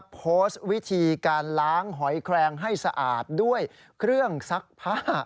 โพสต์วิธีการล้างหอยแคลงให้สะอาดด้วยเครื่องซักผ้า